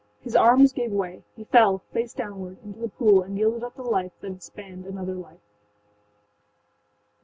His arms gave way; he fell, face downward, into the pool and yielded up the life that had spanned another life.